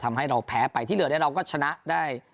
ทำให้เราแพ้ไปที่เหลือเนี่ยเราก็ชนะได้